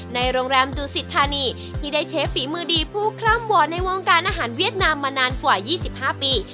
ในโรงแรมดูสิทธานีที่ได้เชฟฝีมือดีผู้คร่ำวอนในวงการอาหารเวียดนามมานานกว่า๒๕ปี